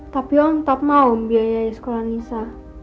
tapi om tetap mau membiayai sekolah nisa